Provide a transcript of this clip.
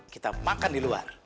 kita makan di luar